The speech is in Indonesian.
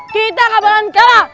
kita gak bakalan kalah